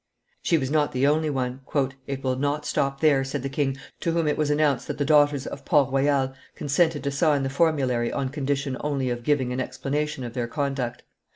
She was not the only one. "It will not stop there," said the king, to whom it was announced that the daughters of Port Royal consented to sign the formulary on condition only of giving an explanation of their conduct.